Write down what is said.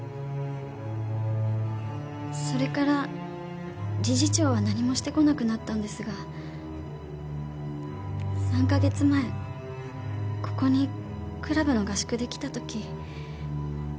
それから理事長は何もしてこなくなったんですが３か月前ここにクラブの合宿で来た時。